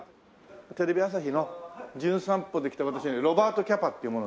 テレビ朝日の『じゅん散歩』で来た私ねロバート・キャパっていう者なんですけどもよろしく。